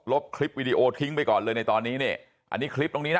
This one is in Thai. บคลิปวิดีโอทิ้งไปก่อนเลยในตอนนี้เนี่ยอันนี้คลิปตรงนี้นะ